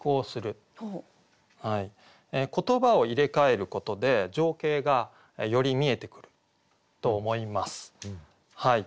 言葉を入れ替えることで情景がより見えてくると思います。